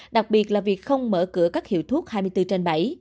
đặc biệt là việc không mở cửa các hiệu thuốc hai mươi bốn trên bảy